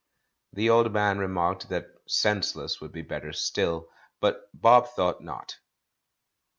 The old man remarked that "Senseless" would be better still, but Bob thought not.